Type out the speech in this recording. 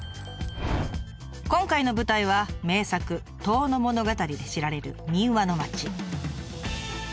今回の舞台は名作「遠野物語」で知られる民話の町。